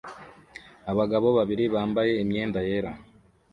Abagabo babiri bambaye imyenda yera